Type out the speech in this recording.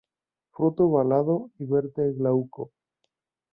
Fruto ovalado y verde glauco.